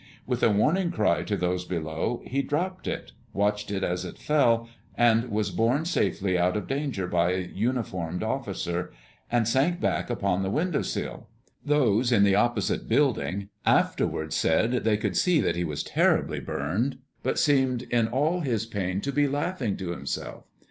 With a warning cry to those below, he dropped it, watched it as it fell and was borne safely out of danger by a uniformed officer, and sank back upon the window sill. Those in the opposite building afterward said they could see then that he was terribly burned, but seemed in all his pain to be laughing to himself.